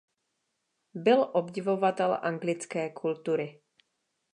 Byl obdivovatel anglické kultury.